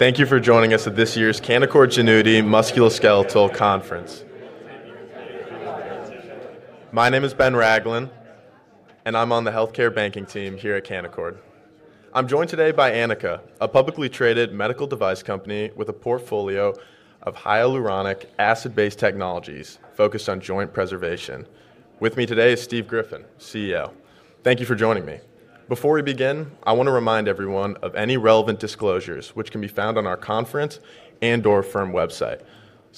Thank you for joining us at this year's Canaccord Genuity Musculoskeletal Conference. My name is Ben Ragland, and I'm on the healthcare banking team here at Canaccord. I'm joined today by Anika, a publicly traded medical device company with a portfolio of hyaluronic acid-based technologies focused on joint preservation. With me today is Steve Griffin, CEO. Thank you for joining me. Before we begin, I want to remind everyone of any relevant disclosures, which can be found on our conference and/or firm website.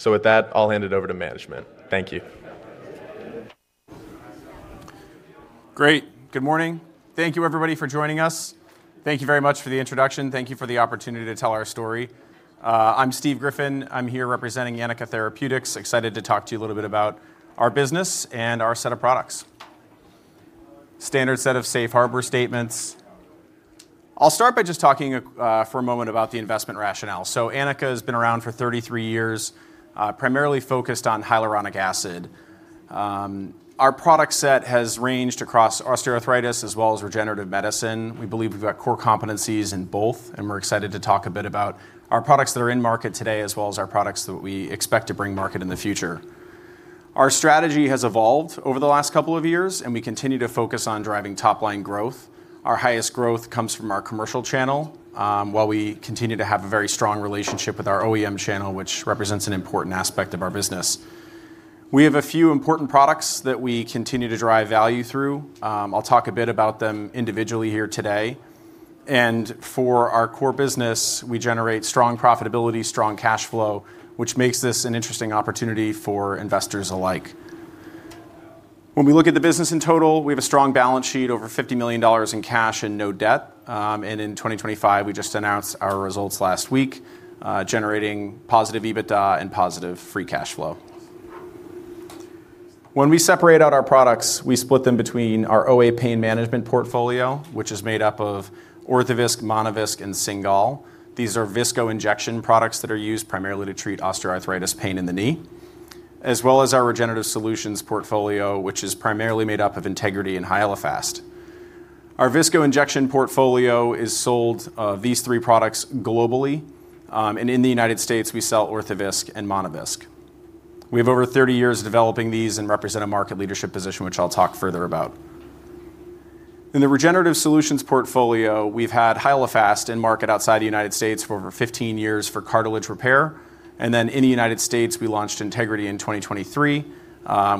With that, I'll hand it over to management. Thank you. Great. Good morning. Thank you, everybody, for joining us. Thank you very much for the introduction. Thank you for the opportunity to tell our story. I'm Steve Griffin. I'm here representing Anika Therapeutics. Excited to talk to you a little bit about our business and our set of products. Standard set of safe harbor statements. I'll start by just talking for a moment about the investment rationale. Anika has been around for 33 years, primarily focused on hyaluronic acid. Our product set has ranged across osteoarthritis as well as regenerative medicine. We believe we've got core competencies in both, and we're excited to talk a bit about our products that are in market today, as well as our products that we expect to bring market in the future. Our strategy has evolved over the last couple of years, and we continue to focus on driving top-line growth. Our highest growth comes from our commercial channel, while we continue to have a very strong relationship with our OEM channel, which represents an important aspect of our business. We have a few important products that we continue to drive value through. I'll talk a bit about them individually here today. For our core business, we generate strong profitability, strong cash flow, which makes this an interesting opportunity for investors alike. When we look at the business in total, we have a strong balance sheet, over $50 million in cash and no debt. In 2025, we just announced our results last week, generating positive EBITDA and positive free cash flow. When we separate out our products, we split them between our OA pain management portfolio, which is made up of Orthovisc, Monovisc, and Cingal. These are visco injection products that are used primarily to treat osteoarthritis pain in the knee, as well as our Regenerative Solutions portfolio, which is primarily made up of Integrity and Hyalofast. Our visco injection portfolio is sold, these three products globally. In the United States, we sell Orthovisc and Monovisc. We have over 30 years of developing these and represent a market leadership position, which I'll talk further about. In the Regenerative Solutions portfolio, we've had Hyalofast in market outside the United States for over 15 years for cartilage repair. In the United States, we launched Integrity in 2023,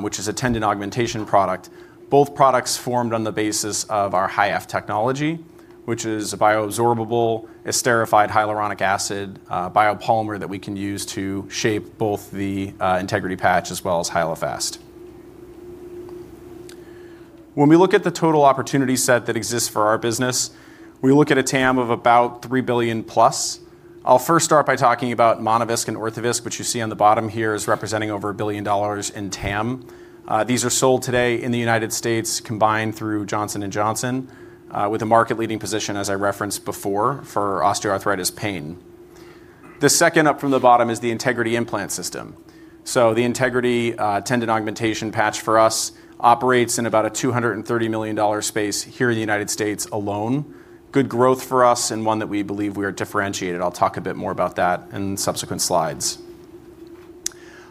which is a tendon augmentation product. Both products formed on the basis of our HYAFF technology, which is a bioabsorbable esterified hyaluronic acid biopolymer that we can use to shape both the Integrity patch as well as Hyalofast. When we look at the total opportunity set that exists for our business, we look at a TAM of about $3 billion-plus. I'll first start by talking about Monovisc and Orthovisc, which you see on the bottom here is representing over $1 billion in TAM. These are sold today in the United States combined through Johnson & Johnson with a market-leading position, as I referenced before, for osteoarthritis pain. The second up from the bottom is the Integrity Implant System. The Integrity tendon augmentation patch for us operates in about a $230 million space here in the United States alone. Good growth for us, one that we believe we are differentiated. I'll talk a bit more about that in subsequent slides.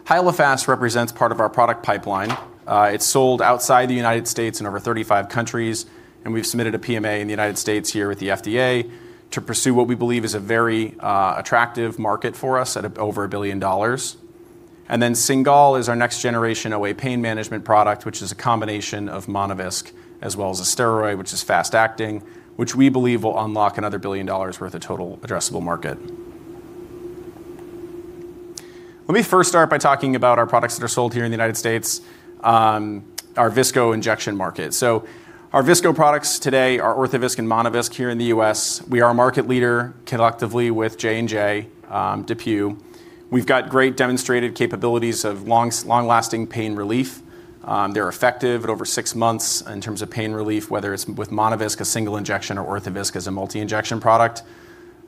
Hyalofast represents part of our product pipeline. It's sold outside the United States in over 35 countries, and we've submitted a PMA in the United States here with the FDA to pursue what we believe is a very attractive market for us at over $1 billion. Cingal is our next generation OA pain management product, which is a combination of Monovisc as well as a steroid, which is fast-acting, which we believe will unlock another $1 billion worth of total addressable market. Let me first start by talking about our products that are sold here in the United States, our visco injection market. Our visco products today are Orthovisc and Monovisc here in the US. We are a market leader collectively with J&J, DePuy. We've got great demonstrated capabilities of long-lasting pain relief. They're effective at over 6 months in terms of pain relief, whether it's with Monovisc, a single injection, or Orthovisc as a multi-injection product.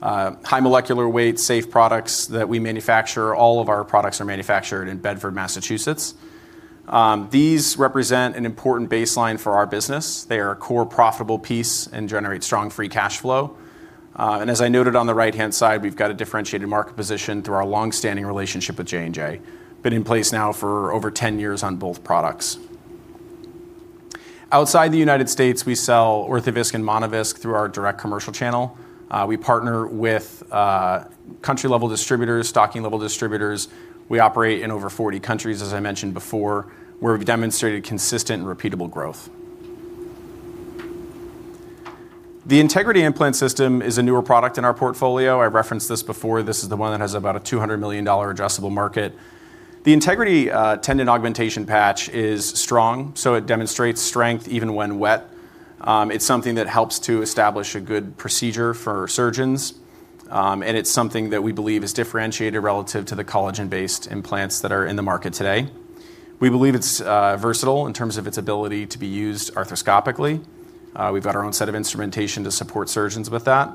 High molecular weight, safe products that we manufacture. All of our products are manufactured in Bedford, Massachusetts. These represent an important baseline for our business. They are a core profitable piece and generate strong free cash flow. As I noted on the right-hand side, we've got a differentiated market position through our long-standing relationship with J&J, been in place now for over 10 years on both products. Outside the United States, we sell Orthovisc and Monovisc through our direct commercial channel. We partner with country-level distributors, stocking-level distributors. We operate in over 40 countries, as I mentioned before, where we've demonstrated consistent and repeatable growth. The Integrity Implant System is a newer product in our portfolio. I referenced this before. This is the one that has about a $200 million addressable market. The Integrity tendon augmentation patch is strong, so it demonstrates strength even when wet. It's something that helps to establish a good procedure for surgeons, and it's something that we believe is differentiated relative to the collagen-based implants that are in the market today. We believe it's versatile in terms of its ability to be used arthroscopically. We've got our own set of instrumentation to support surgeons with that.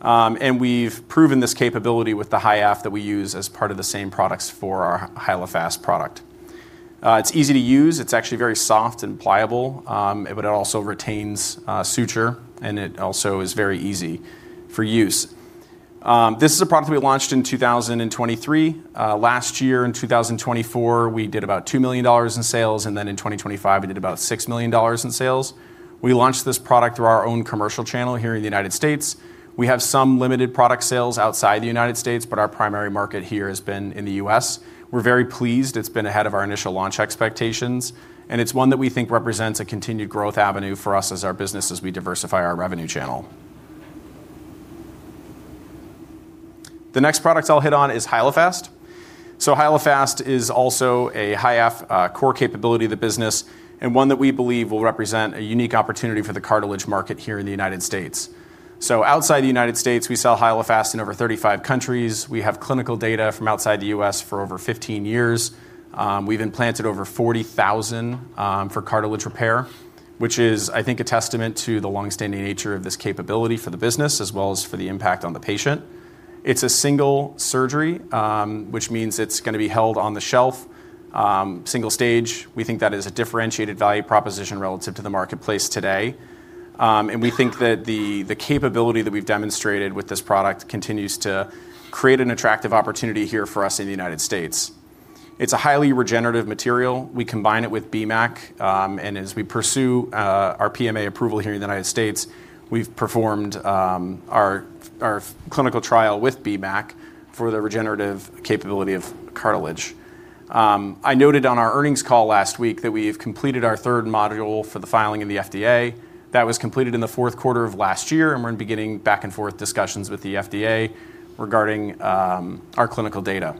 And we've proven this capability with the HYAFF that we use as part of the same products for our Hyalofast product. It's easy to use. It's actually very soft and pliable, but it also retains suture, and it also is very easy for use. This is a product that we launched in 2023. Last year in 2024, we did about $2 million in sales, and then in 2025, we did about $6 million in sales. We launched this product through our own commercial channel here in the United States. We have some limited product sales outside the United States, but our primary market here has been in the U.S. We're very pleased. It's been ahead of our initial launch expectations, and it's one that we think represents a continued growth avenue for us as our business as we diversify our revenue channel. The next product I'll hit on is Hyalofast. Hyalofast is also a HYAFF core capability of the business and one that we believe will represent a unique opportunity for the cartilage market here in the United States. Outside the United States, we sell Hyalofast in over 35 countries. We have clinical data from outside the US for over 15 years. We've implanted over 40,000 for cartilage repair, which is, I think, a testament to the long-standing nature of this capability for the business as well as for the impact on the patient. It's a single surgery, which means it's gonna be held on the shelf, single stage. We think that is a differentiated value proposition relative to the marketplace today. We think that the capability that we've demonstrated with this product continues to create an attractive opportunity here for us in the United States. It's a highly regenerative material. We combine it with BMAC, and as we pursue our PMA approval here in the United States, we've performed our clinical trial with BMAC for the regenerative capability of cartilage. I noted on our earnings call last week that we have completed our third module for the filing in the FDA. That was completed in the fourth quarter of last year, and we're beginning back-and-forth discussions with the FDA regarding our clinical data.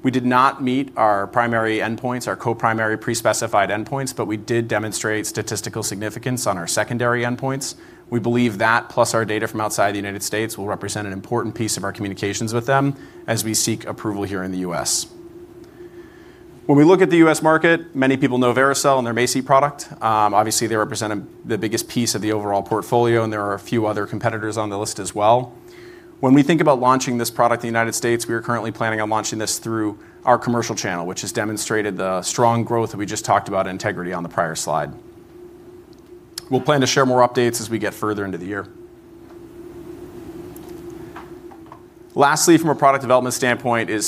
We did not meet our primary endpoints, our co-primary pre-specified endpoints, but we did demonstrate statistical significance on our secondary endpoints. We believe that plus our data from outside the United States will represent an important piece of our communications with them as we seek approval here in the U.S. When we look at the U.S. market, many people know Vericel and their MACI product. Obviously, they represent the biggest piece of the overall portfolio, and there are a few other competitors on the list as well. When we think about launching this product in the United States, we are currently planning on launching this through our commercial channel, which has demonstrated the strong growth that we just talked about Integrity on the prior slide. We'll plan to share more updates as we get further into the year. Lastly, from a product development standpoint is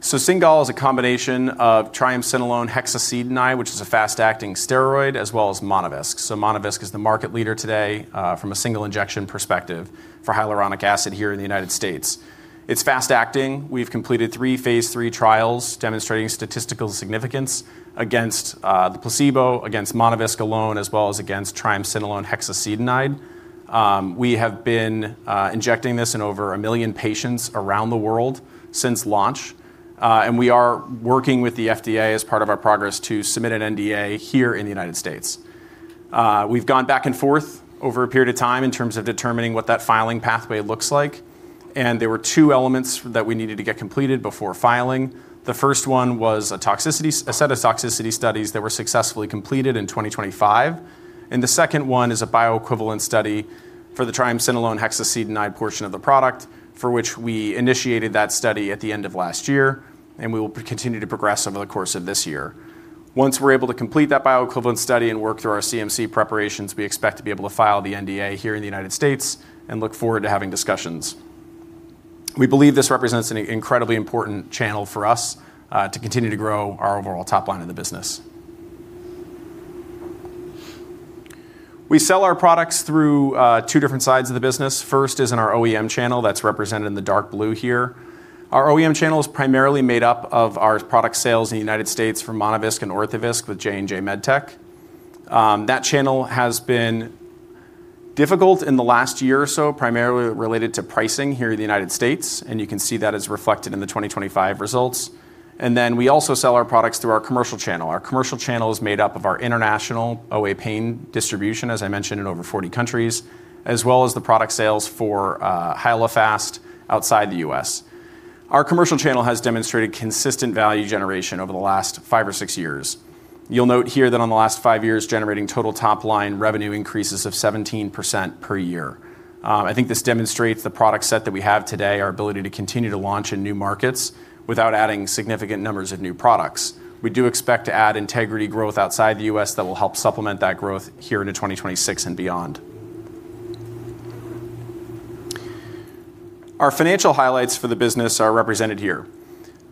Cingal. Cingal is a combination of triamcinolone hexacetonide, which is a fast-acting steroid, as well as Monovisc. Monovisc is the market leader today from a single injection perspective for hyaluronic acid here in the United States. It's fast-acting. We've completed 3 phase three trials demonstrating statistical significance against the placebo, against Monovisc alone, as well as against triamcinolone hexacetonide. We have been injecting this in over 1 million patients around the world since launch. We are working with the FDA as part of our progress to submit an NDA here in the United States. We've gone back and forth over a period of time in terms of determining what that filing pathway looks like. There were two elements that we needed to get completed before filing. The first one was a set of toxicity studies that were successfully completed in 2025. The second one is a bioequivalent study for the triamcinolone hexacetonide portion of the product for which we initiated that study at the end of last year. We will continue to progress over the course of this year. Once we're able to complete that bioequivalent study and work through our CMC preparations, we expect to be able to file the NDA here in the United States and look forward to having discussions. We believe this represents an incredibly important channel for us to continue to grow our overall top line of the business. We sell our products through two different sides of the business. First is in our OEM channel that's represented in the dark blue here. Our OEM channel is primarily made up of our product sales in the United States for Monovisc and Orthovisc with J&J MedTech. That channel has been difficult in the last year or so, primarily related to pricing here in the United States, and you can see that is reflected in the 2025 results. We also sell our products through our commercial channel. Our commercial channel is made up of our international OA pain distribution, as I mentioned, in over 40 countries, as well as the product sales for Hyalofast outside the U.S. Our commercial channel has demonstrated consistent value generation over the last 5 or 6 years. You'll note here that on the last 5 years, generating total top-line revenue increases of 17% per year. I think this demonstrates the product set that we have today, our ability to continue to launch in new markets without adding significant numbers of new products. We do expect to add Integrity growth outside the U.S. that will help supplement that growth here into 2026 and beyond. Our financial highlights for the business are represented here.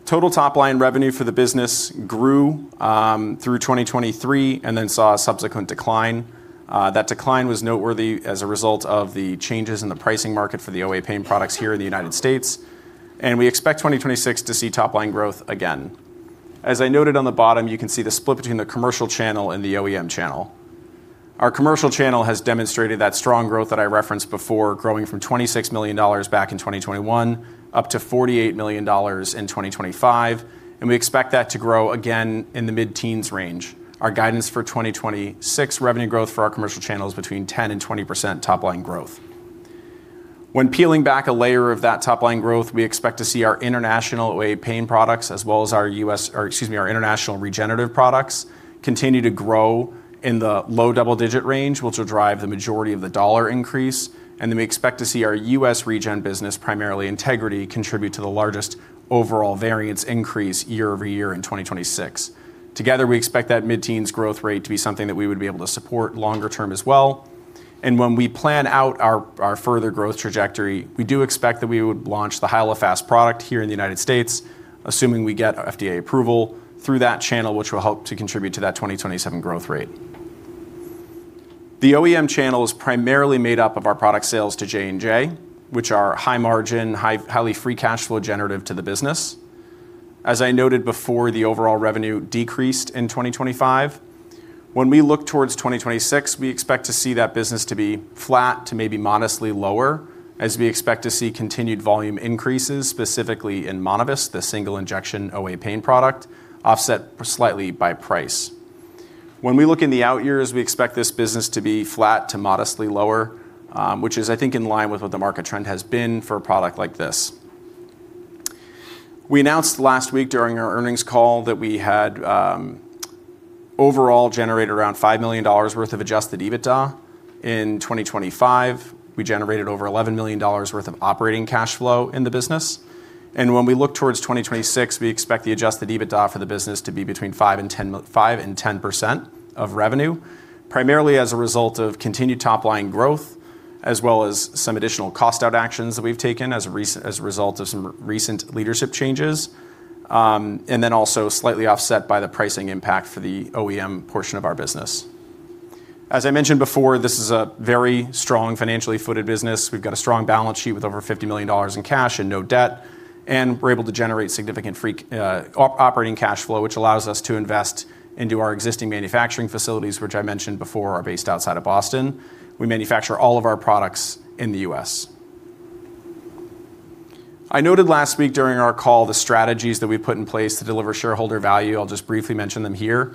Total top-line revenue for the business grew through 2023 and then saw a subsequent decline. That decline was noteworthy as a result of the changes in the pricing market for the OA pain products here in the United States. We expect 2026 to see top-line growth again. As I noted on the bottom, you can see the split between the commercial channel and the OEM channel. Our commercial channel has demonstrated that strong growth that I referenced before, growing from $26 million back in 2021 up to $48 million in 2025. We expect that to grow again in the mid-teens range. Our guidance for 2026 revenue growth for our commercial channel is between 10% and 20% top-line growth. When peeling back a layer of that top-line growth, we expect to see our international OA pain products as well as our international regenerative products continue to grow in the low double-digit range, which will drive the majority of the dollar increase. We expect to see our U.S. regen business, primarily Integrity, contribute to the largest overall variance increase year-over-year in 2026. Together, we expect that mid-teens growth rate to be something that we would be able to support longer term as well. When we plan out our further growth trajectory, we do expect that we would launch the Hyalofast product here in the United States, assuming we get FDA approval through that channel, which will help to contribute to that 2027 growth rate. The OEM channel is primarily made up of our product sales to J&J, which are high margin, highly free cash flow generative to the business. As I noted before, the overall revenue decreased in 2025. We look towards 2026, we expect to see that business to be flat to maybe modestly lower as we expect to see continued volume increases, specifically in Monovisc, the single injection OA pain product, offset slightly by price. We look in the out years, we expect this business to be flat to modestly lower, which is, I think, in line with what the market trend has been for a product like this. We announced last week during our earnings call that we had overall generated around $5 million worth of adjusted EBITDA. In 2025, we generated over $11 million worth of operating cash flow in the business. When we look towards 2026, we expect the adjusted EBITDA for the business to be between 5% and 10% of revenue, primarily as a result of continued top line growth, as well as some additional cost out actions that we've taken as a result of some recent leadership changes. Also slightly offset by the pricing impact for the OEM portion of our business. As I mentioned before, this is a very strong financially footed business. We've got a strong balance sheet with over $50 million in cash and no debt, and we're able to generate significant operating cash flow, which allows us to invest into our existing manufacturing facilities, which I mentioned before are based outside of Boston. We manufacture all of our products in the U.S. I noted last week during our call the strategies that we've put in place to deliver shareholder value. I'll just briefly mention them here.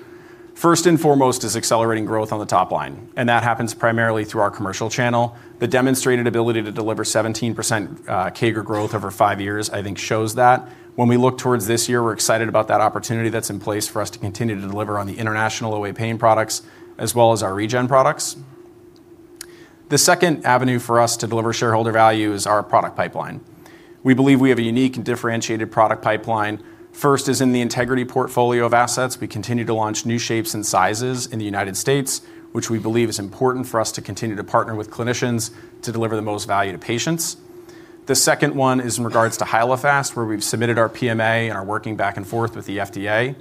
First and foremost is accelerating growth on the top line, and that happens primarily through our commercial channel. The demonstrated ability to deliver 17% CAGR growth over five years, I think shows that. When we look towards this year, we're excited about that opportunity that's in place for us to continue to deliver on the international OA pain products as well as our regen products. The second avenue for us to deliver shareholder value is our product pipeline. We believe we have a unique and differentiated product pipeline. First is in the Integrity portfolio of assets. We continue to launch new shapes and sizes in the United States, which we believe is important for us to continue to partner with clinicians to deliver the most value to patients. The second one is in regards to Hyalofast, where we've submitted our PMA and are working back and forth with the FDA.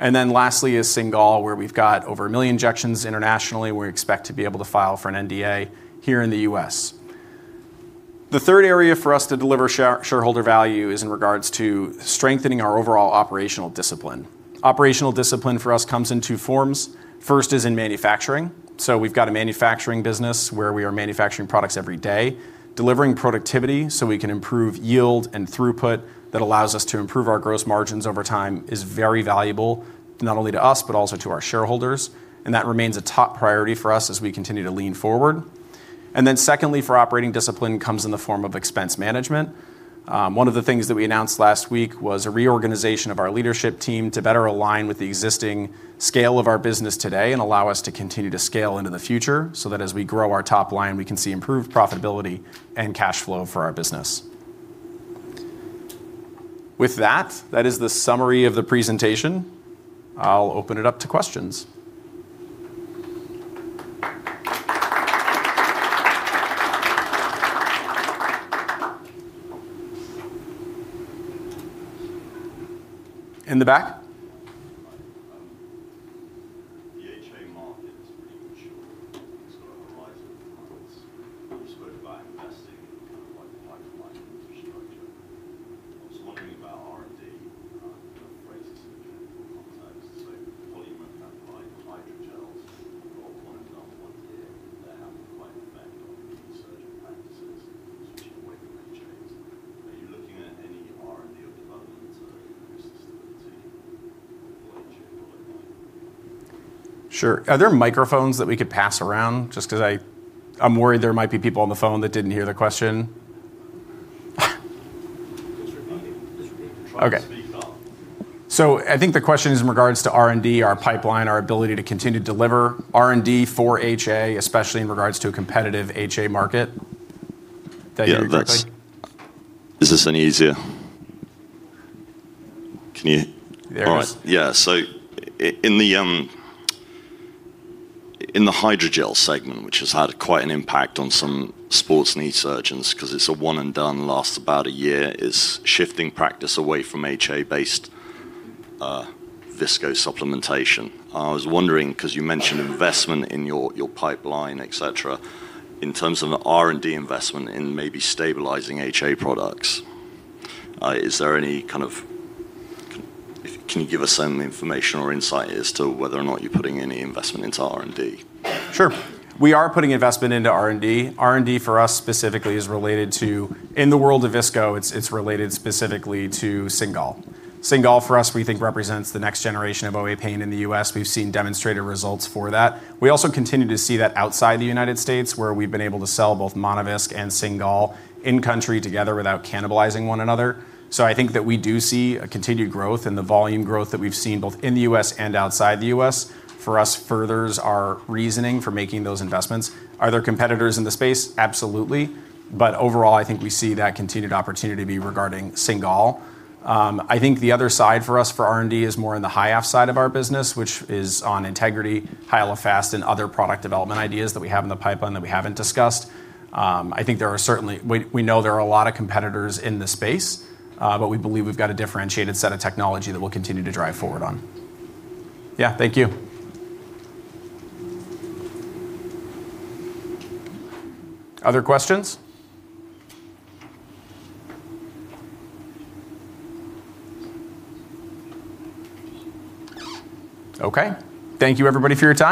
Lastly is Cingal, where we've got over 1 million injections internationally, and we expect to be able to file for an NDA here in the U.S. The third area for us to deliver shareholder value is in regards to strengthening our overall operational discipline. Operational discipline for us comes in 2 forms. First is in manufacturing. We've got a manufacturing business where we are manufacturing products every day. Delivering productivity, so we can improve yield and throughput that allows us to improve our gross margins over time is very valuable not only to us, but also to our shareholders, and that remains a top priority for us as we continue to lean forward. Secondly, for operating discipline comes in the form of expense management. One of the things that we announced last week was a reorganization of our leadership team to better align with the existing scale of our business today and allow us to continue to scale into the future, so that as we grow our top line, we can see improved profitability and cash flow for our business. With that is the summary of the presentation. I'll open it up to questions. In the back. Hi. The HA market is pretty mature. A rise of rivals. You spoke about investing in kind of like pipeline and structure. I was wondering about R&D, kind of phrases in a clinical context. Volume of that like hydrogels, you've got 1 that lasts 1 year that had quite an effect on surgeon practices switching away from HA. Are you looking at any R&D or development to increase the stability of HA product line? Sure. Are there microphones that we could pass around? Just 'cause I'm worried there might be people on the phone that didn't hear the question. Just repeat it. Okay. Speak up. I think the question is in regards to R&D, our pipeline, our ability to continue to deliver R&D for HA, especially in regards to a competitive HA market. Did I hear correctly? Yeah. Is this any easier? Can you- There it was. All right. Yeah. In the hydrogel segment, which has had quite an impact on some sports knee surgeons 'cause it's a one and done, lasts about a year, is shifting practice away from HA-based viscosupplementation. I was wondering, 'cause you mentioned investment in your pipeline, et cetera, in terms of the R&D investment in maybe stabilizing HA products, can you give us any information or insight as to whether or not you're putting any investment into R&D? Sure. We are putting investment into R&D. R&D for us specifically is related. In the world of visco, it's related specifically to Cingal. Cingal, for us, we think represents the next generation of OA pain in the U.S. We've seen demonstrated results for that. We also continue to see that outside the United States, where we've been able to sell both Monovisc and Cingal in country together without cannibalizing one another. I think that we do see a continued growth in the volume growth that we've seen both in the U.S. and outside the U.S., for us furthers our reasoning for making those investments. Are there competitors in the space? Absolutely. Overall, I think we see that continued opportunity to be regarding Cingal. I think the other side for us for R&D is more in the HYAFF side of our business, which is on Integrity, Hyalofast, and other product development ideas that we have in the pipeline that we haven't discussed. I think there are certainly, we know there are a lot of competitors in this space, but we believe we've got a differentiated set of technology that we'll continue to drive forward on. Yeah. Thank you. Other questions? Okay. Thank you, everybody, for your time.